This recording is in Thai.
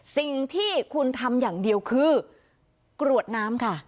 สิ่งที่คุณทำอย่างเดียวคือกรวดน้ำค่ะ